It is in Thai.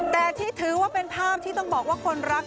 แต่ที่ถือว่าเป็นภาพที่ต้องบอกว่าคนรัก